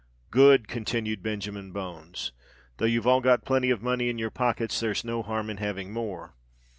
"Good!" continued Benjamin Bones. "Though you've all got plenty of money in your pockets, there's no harm in having more.